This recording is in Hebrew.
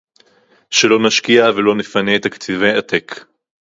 שלא נשקיע ולא נפנה תקציבי עתק